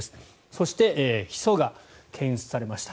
そして、ヒ素が検出されました。